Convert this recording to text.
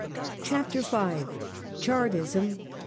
CHAPTER V. CHARTISM.